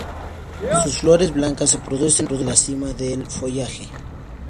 Sus flores blancas se producen en la cima del follaje.